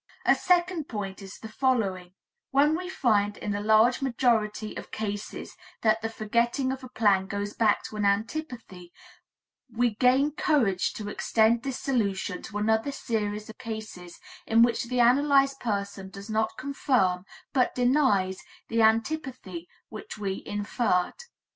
A second point is the following: when we find in a large majority of cases that the forgetting of a plan goes back to an antipathy, we gain courage to extend this solution to another series of cases in which the analyzed person does not confirm, but denies, the antipathy which we inferred.